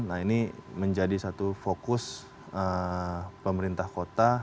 nah ini menjadi satu fokus pemerintah kota